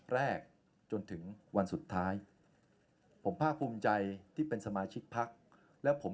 แรกจนถึงวันสุดท้ายผมภาคภูมิใจที่เป็นสมาชิกพักแล้วผม